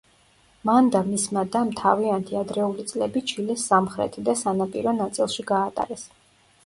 მან და მისმა დამ თავიანთი ადრეული წლები ჩილეს სამხრეთი და სანაპირო ნაწილში გაატარეს.